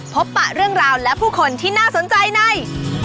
ปะเรื่องราวและผู้คนที่น่าสนใจใน